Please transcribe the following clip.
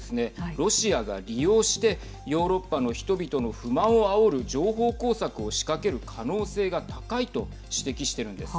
ロシアが利用してヨーロッパの人々の不満をあおる情報工作を仕掛ける可能性が高いと指摘してるんです。